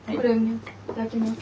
いただきます。